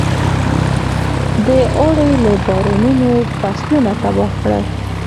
د اوړي بارانونو فصلونه تباه کړل.